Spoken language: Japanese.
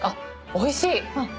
おいしい？